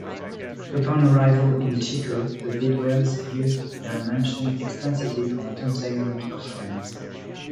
Upon arrival in Chico, the Bidwells used their mansion extensively for entertainment of friends.